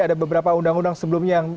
ada beberapa undang undang sebelumnya yang